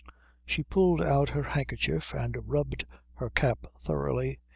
She pulled out her handkerchief and rubbed her cap thoughtfully.